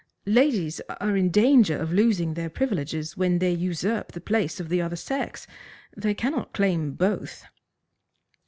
"Ladies are in danger of losing their privileges when they usurp the place of the other sex. They cannot claim both."